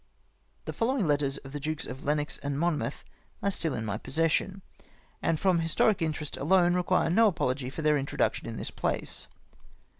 The following letters from the Dukes of Lennox and Monmouth are still in my possession, and from historic interest alone require no apology for theh introduction in this place.